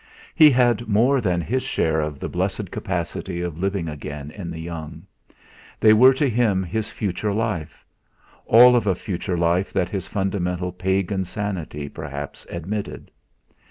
He had more than his share of the blessed capacity of living again in the young. They were to him his future life all of a future life that his fundamental pagan sanity perhaps admitted.